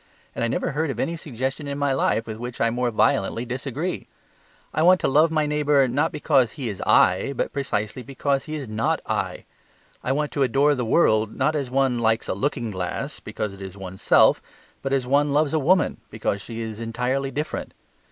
And I never heard of any suggestion in my life with which I more violently disagree. I want to love my neighbour not because he is I, but precisely because he is not I. I want to adore the world, not as one likes a looking glass, because it is one's self, but as one loves a woman, because she is entirely different.